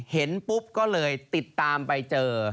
เห็นปุ๊บก็เลยติดตามไปเจอ